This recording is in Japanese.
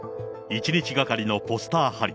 一日がかりのポスター貼り。